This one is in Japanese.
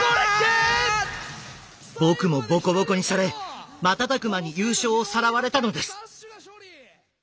僕もボコボコにされ瞬く間に優勝をさらわれたのです。